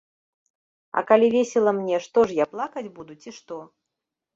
А калі весела мне, што ж я, плакаць буду, ці што?